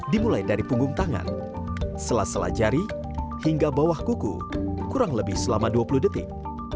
dimulai dari punggung tangan selas sela jari hingga bawah kuku kurang lebih selama dua puluh detik